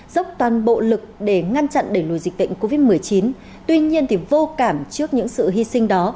dốc toàn bộ lực để ngăn chặn đẩy lùi dịch bệnh covid một mươi chín tuy nhiên thì vô cảm trước những sự hy sinh đó